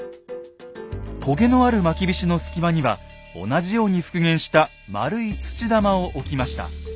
とげのあるまきびしの隙間には同じように復元した丸い土玉を置きました。